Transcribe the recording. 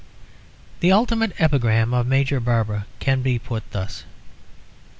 The ultimate epigram of Major Barbara can be put thus.